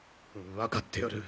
分かっておる。